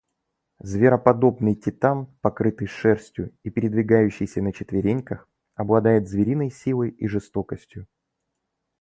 Звероподобный титан, покрытый шерстью и передвигающийся на четвереньках, обладает звериной силой и жестокостью.